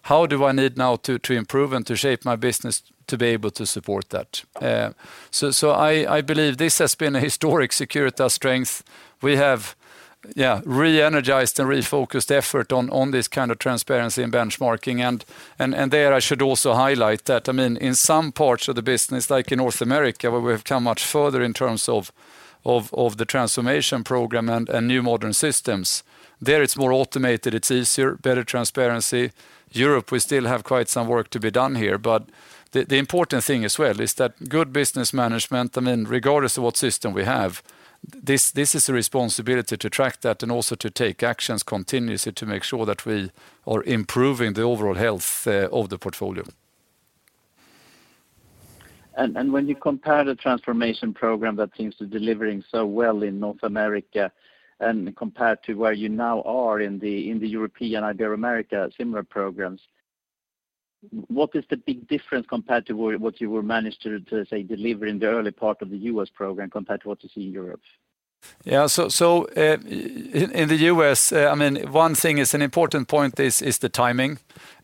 how do I need now to improve and to shape my business to be able to support that? So I believe this has been a historic Securitas strength. We have re-energized and refocused effort on this kind of transparency and benchmarking. There I should also highlight that, I mean, in some parts of the business, like in North America, where we have come much further in terms of the transformation program and new modern systems, there it's more automated, it's easier, better transparency. Europe, we still have quite some work to be done here. The important thing as well is that good business management, I mean regardless of what system we have, this is a responsibility to track that and also to take actions continuously to make sure that we are improving the overall health of the portfolio.
When you compare the transformation program that seems to delivering so well in North America and compared to where you now are in the, in the European Ibero-America similar programs, what is the big difference compared to what you were managed to say, deliver in the early part of the U.S. program compared to what you see in Europe?
I mean, one thing is an important point is the timing.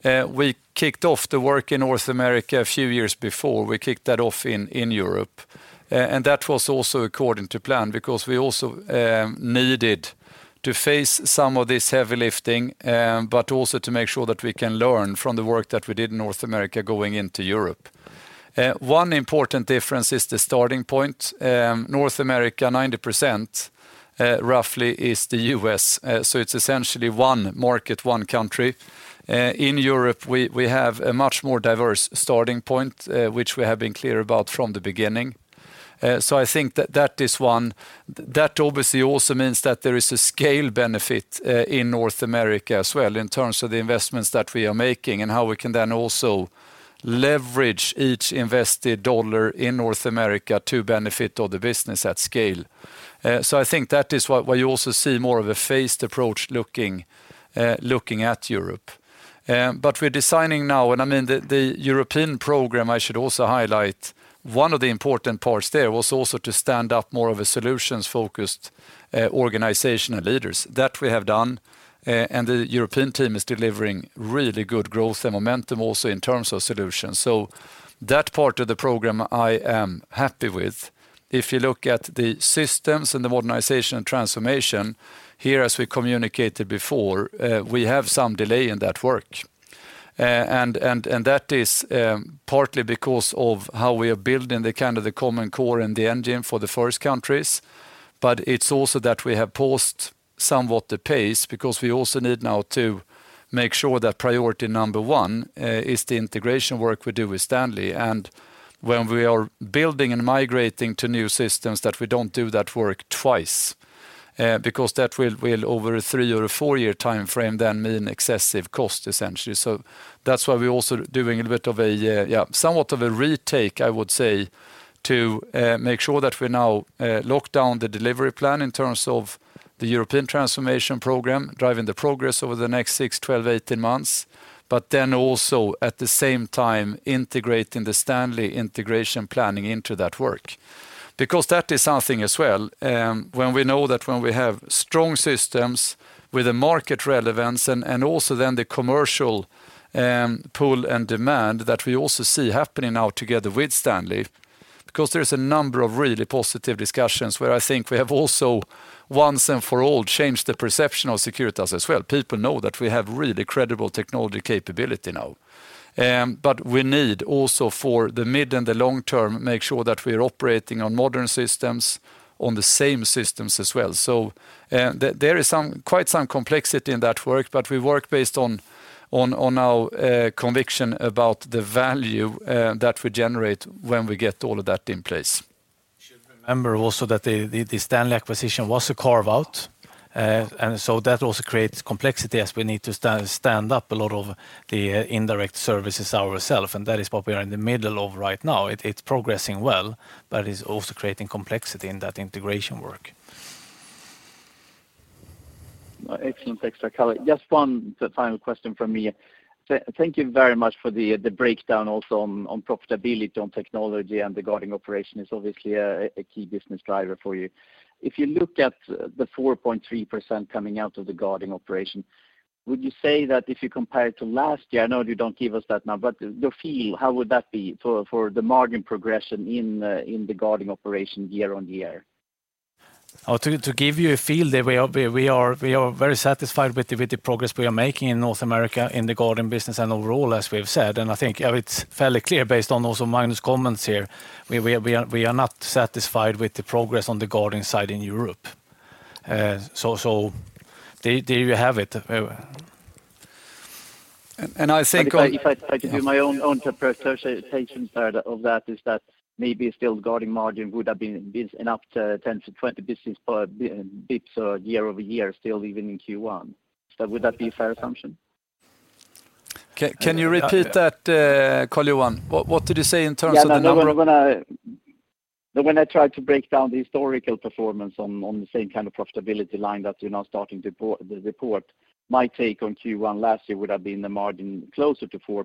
We kicked off the work in North America a few years before we kicked that off in Europe. That was also according to plan because we also needed to face some of this heavy lifting, but also to make sure that we can learn from the work that we did in North America going into Europe. One important difference is the starting point. North America, 90% roughly is the U.S. It's essentially one market, one country. In Europe, we have a much more diverse starting point, which we have been clear about from the beginning. I think that is one. That obviously also means that there is a scale benefit in North America as well in terms of the investments that we are making and how we can then also leverage each invested dollar in North America to benefit all the business at scale. I think that is what, why you also see more of a phased approach looking at Europe. We're designing now, and I mean the European integration planning into that work. That is something as well, when we know that when we have strong systems with a market relevance
If you look at the 4.3% coming out of the guarding operation, would you say that if you compare it to last year, I know you don't give us that number, but the feel, how would that be for the margin progression in the guarding operation year-on-year?
To give you a feel, we are very satisfied with the progress we are making in North America in the guarding business and overall, as we've said. I think it's fairly clear based on also Magnus' comments here, we are not satisfied with the progress on the guarding side in Europe. There you have it.
And, and I think-
If I could do my own interpretation part of that is that maybe still guarding margin would have been up to 10 to 20 basis bips year-over-year, still even in Q1. Would that be a fair assumption?
Can you repeat that, Karl-Johan? What did you say in terms of the number?
Yeah, no. When I tried to break down the historical performance on the same kind of profitability line that you're now starting to report, my take on Q1 last year would have been the margin closer to 4%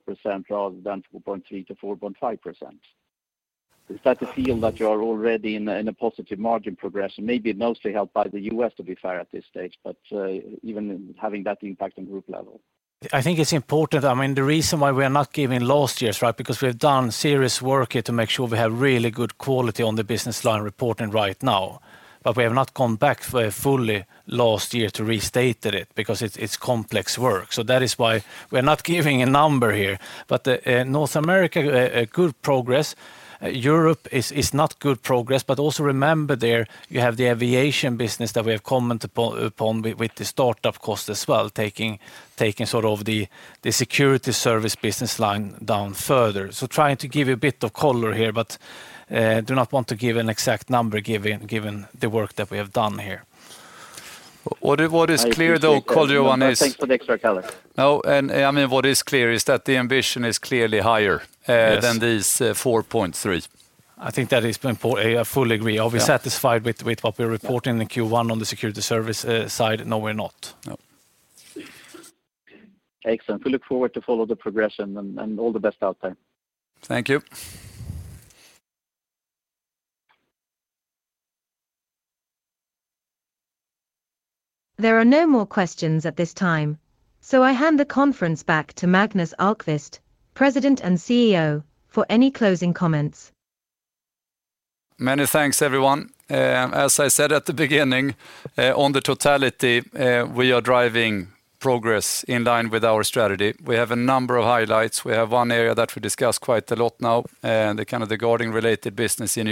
rather than 4.3%-4.5%. Is that the feel that you are already in a positive margin progression? Maybe mostly helped by the U.S., to be fair, at this stage, but even having that impact on group level.
I think it's important. I mean, the reason why we are not giving last year's, right, because we've done serious work here to make sure we have really good quality on the business line reporting right now. We have not gone back for fully last year to restate it because it's complex work. That is why we're not giving a number here. North America, good progress. Europe is not good progress, but also remember there you have the aviation business that we have commented upon with the startup cost as well, taking sort of the Security Services business line down further. Trying to give you a bit of color here, but do not want to give an exact number given the work that we have done here.
What is clear though, Karl-Johan.
Thanks for the extra color.
No. I mean, what is clear is that the ambition is clearly higher-
Yes.
than this 4.3.
I fully agree.
Yeah.
Are we satisfied with what we're reporting in Q1 on the Security Services side? No, we're not.
No.
Excellent. We look forward to follow the progression and all the best out there.
Thank you.
There are no more questions at this time. I hand the conference back to Magnus Ahlqvist, President and CEO, for any closing comments.
Many thanks, everyone. As I said at the beginning, on the totality, we are driving progress in line with our strategy. We have a number of highlights. We have one area that we discussed quite a lot now, the kind of the guarding related business in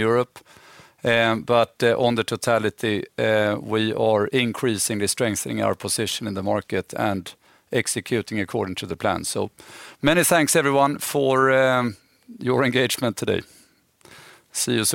Europe. On the totality, we are increasingly strengthening our position in the market and executing according to the plan. Many thanks everyone for your engagement today. See you soon